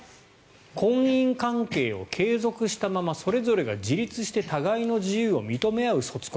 婚姻関係を継続したままそれぞれが自立して互いの自由を認め合う卒婚。